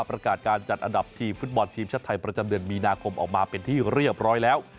ประกาศการจัดอันดับทีมฟุตบอลทีมชาติไทยประจำเดือนมีนาคมออกมาเป็นที่เรียบร้อยแล้ว